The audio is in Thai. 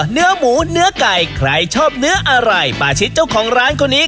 เนื้อหมูเนื้อไก่ใครชอบเนื้ออะไรปาชิดเจ้าของร้านคนนี้